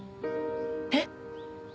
えっ？